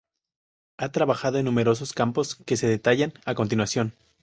Ha trabajado en numerosos campos, que se detallan a continuación.